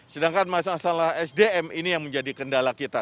sedangkan masalah sdm ini yang menjadi kendala kita